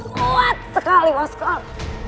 kuat sekali waskol